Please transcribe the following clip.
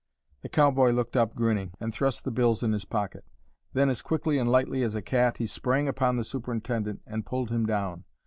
The cowboy looked up, grinning, and thrust the bills in his pocket. Then, as quickly and lightly as a cat, he sprang upon the superintendent and pulled him down.